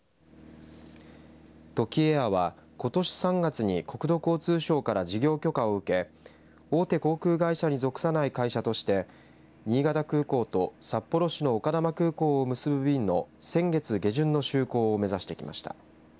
トキエアはことし３月に国土交通省から事業許可を受け大手航空会社に属さない会社として新潟空港と札幌市の丘珠空港を結ぶ便の先月下旬の就航を目指してきました。